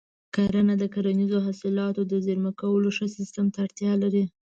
کرنه د کرنیزو حاصلاتو د زېرمه کولو ښه سیستم ته اړتیا لري.